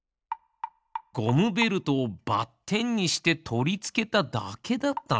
ゴムベルトをばってんにしてとりつけただけだったんです。